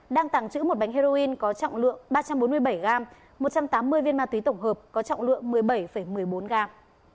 đang tàng trữ một bánh heroin có trọng lượng ba trăm bốn mươi bảy gram một trăm tám mươi viên ma túy tổng hợp có trọng lượng một mươi bảy một mươi bốn gram